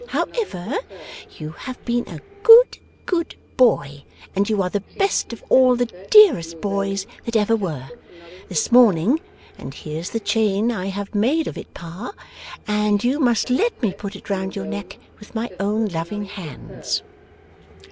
However, you have been a good, good boy, and you are the best of all the dearest boys that ever were, this morning, and here's the chain I have made of it, Pa, and you must let me put it round your neck with my own loving hands.